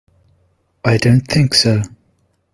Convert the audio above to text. I don't think so.